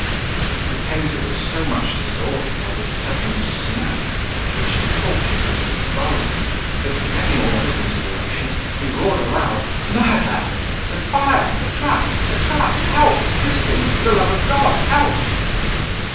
The painter was so much disordered by this sudden snap, which tortured him to the bone, that, forgetting all other considerations, he roared aloud, "Murder! a fire! a trap, a trap! help, Christians, for the love of God, help!"